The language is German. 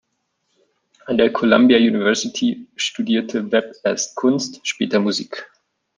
An der Columbia University studierte Webb erst Kunst, später Musik.